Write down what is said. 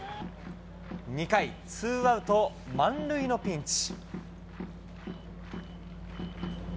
２回、ツーアウト満塁のピンチ。